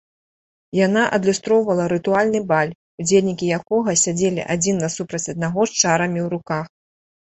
Яна адлюстроўвала рытуальны баль, удзельнікі якога сядзелі адзін насупраць аднаго з чарамі ў руках.